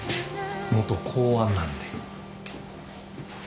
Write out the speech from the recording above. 元公安なんで。